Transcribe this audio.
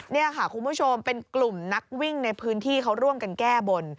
นี่ค่ะคุณผู้ชมเป็นกลุ่มนักวิ่งในพื้นที่เขาร่วมกันแก้บน